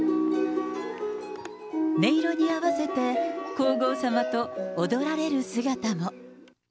音色に合わせて皇后さまと踊られる姿も。